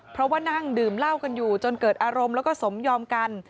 เพราะว่านั่งดื่มเหล้ากันอยู่จนเกิดอารมณ์แล้วก็สมยอมกัน